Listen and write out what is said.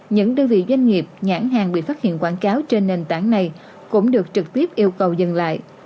những đơn vị doanh nghiệp nhãn hàng bị phát hiện quảng cáo trên nền tảng này cũng được trực tiếp yêu cầu dừng lại